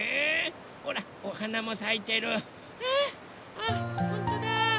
あっほんとだ。